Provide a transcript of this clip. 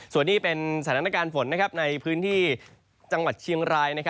ส่วนนี้เป็นสถานการณ์ฝนในพื้นที่จังหวัดเชียงราย